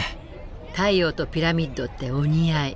太陽とピラミッドってお似合い。